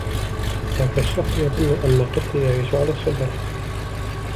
ذاك الشخص يظن أن قطي يعيش على الشجرة.